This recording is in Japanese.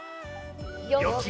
よき！